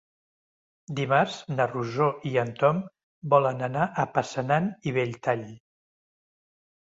Dimarts na Rosó i en Tom volen anar a Passanant i Belltall.